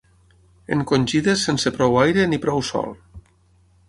Encongides sense prou aire ni prou sol.